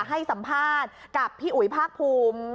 ให้สัมภาษณ์กับพี่อุ๋ยภาคภูมิ